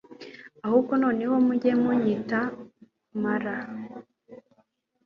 ahubwo noneho mujye munyita mara (maganya)